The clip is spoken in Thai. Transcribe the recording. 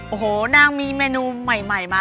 โอ้โหนางมีเมนูใหม่มา